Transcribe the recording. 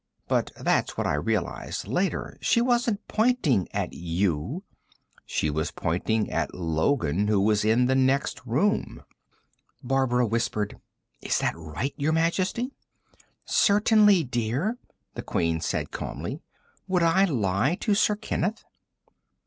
"But that's what I realized later. She wasn't pointing at you. She was pointing at Logan, who was in the next room." Barbara whispered: "Is that right, Your Majesty?" "Certainly, dear," the Queen said calmly. "Would I lie to Sir Kenneth?"